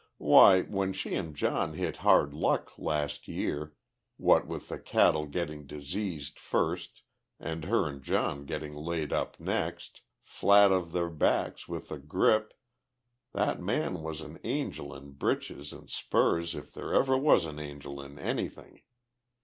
Why, when she and John hit hard luck, last year, what with the cattle getting diseased first and her and John getting laid up next, flat of their backs with the grip, that man was an angel in britches and spurs if there ever was an angel in anything!